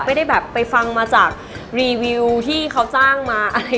ไม่ได้แบบไปฟังมาจากรีวิวที่เขาจ้างมาอะไร